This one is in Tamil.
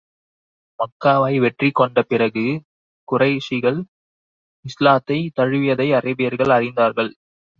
மக்காவை வெற்றி கொண்ட பிறகு, குறைஷிகள் இஸ்லாத்தைத் தழுவியதை அரேபியர்கள் அறிந்தார்கள்.